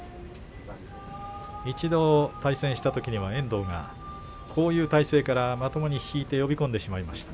一度対戦したときには遠藤がこういう体勢からまともに引いて呼び込んでしまいました。